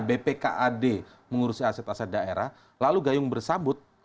bpkad mengurusi aset aset daerah lalu gayung bersambut